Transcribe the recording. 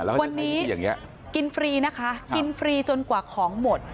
วันนี้กินฟรีนะคะกินฟรีจนกว่าของหมด